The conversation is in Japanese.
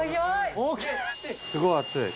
すごい熱い。